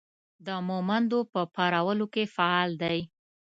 د مهمندو په پارولو کې فعال دی.